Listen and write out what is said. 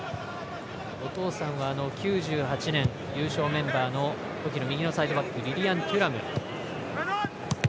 お父さんは９８年優勝の時の右のサイドバックリリアン・テュラム。